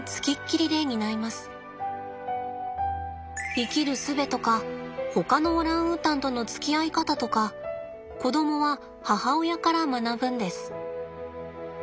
生きるすべとかほかのオランウータンとのつきあい方とか子供は母親から学ぶんです。